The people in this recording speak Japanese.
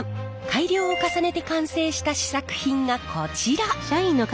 改良を重ねて完成した試作品がこちら！